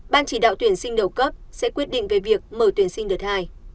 ban chỉ đạo tuyển sinh đầu cấp sẽ quyết định về việc mở tuyển sinh đợt hai